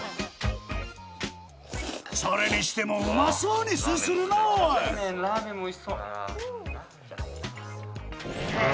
それにしてもうまそうにすするなぁおいうん！